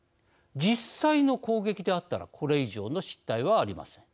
実際の攻撃であったらこれ以上の失態はありません。